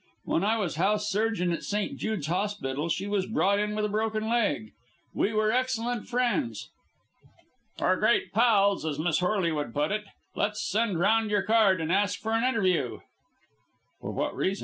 When I was house surgeon at St. Jude's Hospital she was brought in with a broken leg. We were excellent friends." "Or great pals, as Miss Horley would put it. Let us send round your card and ask for an interview.' "For what reason?